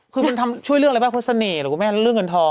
คือมันช่วยเรื่องอะไรบ้างเพราะเสน่ห์เหรอคุณแม่เรื่องเงินทอง